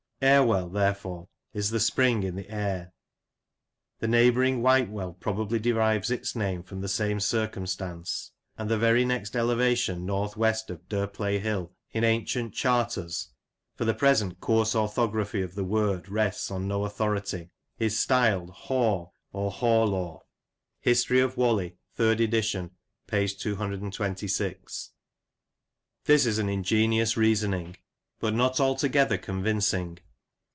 Erewell, therefore, is the spring in the Ere. The neighbouring Whitewell probably derives its name from the same circumstance ; and the very next elevation north west of Derplay HiU in ancient charters (for the present coarse orthography of the word rests on no authority) is styled Hor, or Horelaw."* This is ingenious reasoning, but not altogether convincing.